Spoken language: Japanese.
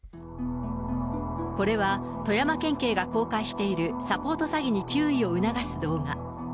これは、富山県警が公開しているサポート詐欺に注意を促す動画。